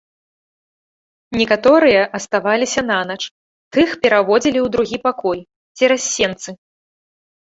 Некаторыя аставаліся нанач, тых пераводзілі ў другі пакой, цераз сенцы.